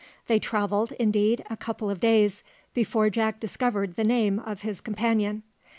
They travelled, indeed, a couple of days before Jack discovered the name of his companion.